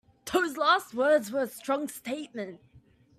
Those last words were a strong statement.